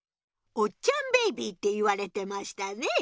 おっちゃんベイビーって言われてましたね。